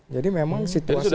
jadi memang situasinya